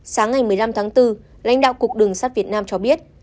sáng ngày một mươi năm tháng bốn lãnh đạo cục đường sắt việt nam cho biết